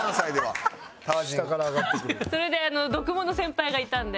それで読モの先輩がいたんで。